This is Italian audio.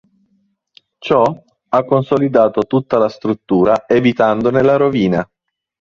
Ciò ha consolidato tutta la struttura evitandone la rovina.